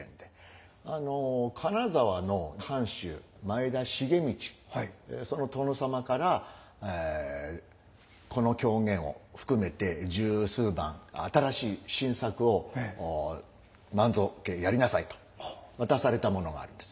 金沢の藩主前田重教その殿様からこの狂言を含めて十数番新しい新作を万蔵家やりなさいと渡されたものがあるんです。